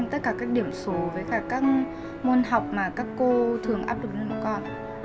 tất cả các điểm số với cả các môn học mà các cô thường áp lực cho bọn con